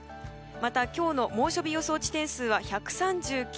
また、今日の猛暑日予想地点数は１３９。